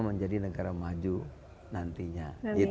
menjadi negara maju nantinya